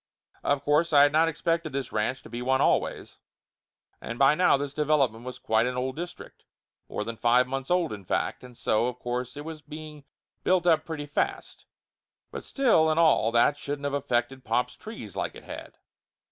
Of course I had not expected this ranch to be one always, and by now this development was quite an old district more than five months old, in fact, and so of course it was being built up pretty fast, but still and all that shouldn't of affected pop's trees like it had.